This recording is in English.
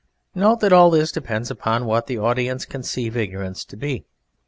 Note that all this depends upon what the audience conceive ignorance to be.